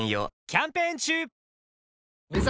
キャンペーン中！